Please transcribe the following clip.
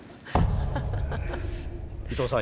伊藤さん